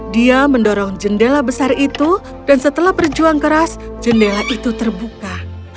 dia mendorong jendela besar itu dan setelah berjuang keras jendela itu terbuka